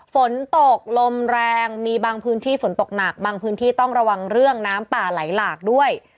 ฝนตกลมแรงมีบางพื้นที่ฝนตกหนักบางพื้นที่ต้องระวังเรื่องน้ำป่าไหลหลากด้วย